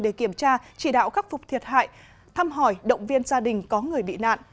để kiểm tra chỉ đạo khắc phục thiệt hại thăm hỏi động viên gia đình có người bị nạn